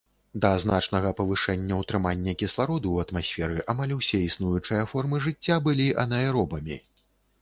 Да значнага павышэння ўтрымання кіслароду ў атмасферы амаль усе існуючыя формы жыцця былі анаэробамі.